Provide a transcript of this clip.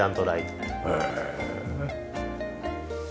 へえ。